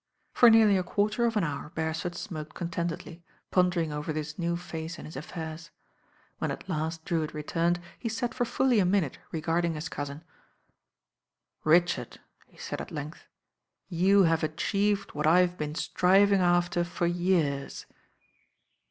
For nearly a quarter of an hour Beresford smoked contentedly, pondering over this new phase in his affairs. When at last Drewitt returned, he sat for fully a minute regarding his cousin. "Richard," he said at length, "you have achieved what I've been striving after for years."